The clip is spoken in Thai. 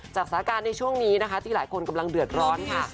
จากสถานการณ์ในช่วงนี้นะคะที่หลายคนกำลังเดือดร้อนค่ะ